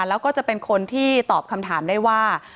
แล้วก็จะเป็นคนที่ตอบคำถามได้ว่า